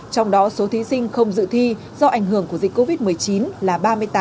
trong đó số thí sinh không dự thi do ảnh hưởng của dịch covid một mươi chín là ba mươi tám